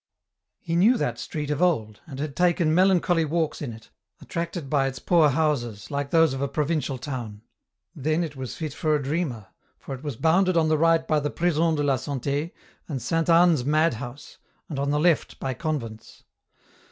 He knew that street of old, and had taken melancholy walks in it, attracted by its poor houses, like those of a provincial town ; then it was fit for a dreamer, for it was bounded on the right by the Prison de la Santd and Sainte Anne's mad house, and on the left by convents.